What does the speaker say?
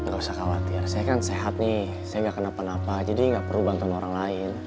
gak usah khawatir saya kan sehat nih saya gak kena penapa jadi gak perlu bantuan orang lain